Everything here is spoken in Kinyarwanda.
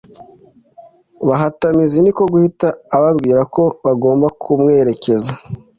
bahatamazi niko guhita ababwira ko bagomba ku mwerekeza